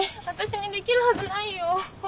私にできるはずないよ。